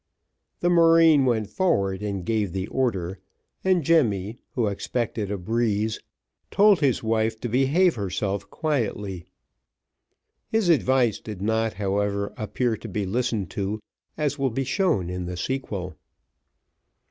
The marine went forward and gave the order; and Jemmy, who expected a breeze, told his wife to behave herself quietly. His advice did not, however, appear to be listened to, as will be shown in the sequel.